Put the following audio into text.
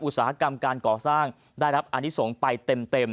อุตสาหกรรมการก่อสร้างได้รับอนิสงฆ์ไปเต็ม